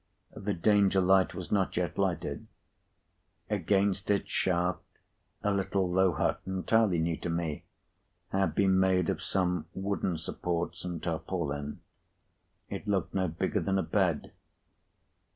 The Danger light was not yet lighted. Against its shaft, a little low hut, entirely new to me, had been made of some wooden p. 109supports and tarpaulin. It looked no bigger than a bed.